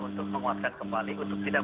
untuk menguatkan kembali untuk tidak